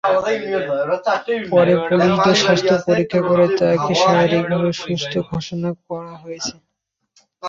পরে পুলিদোর স্বাস্থ্য পরীক্ষা করে তাঁকে শারীরিকভাবে সুস্থ ঘোষণা করা হয়েছে।